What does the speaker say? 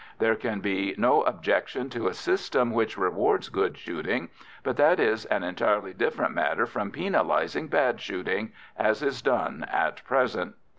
There can be no objection to a system which rewards good shooting, but that is an entirely different matter from penalising bad shooting, as is done at present.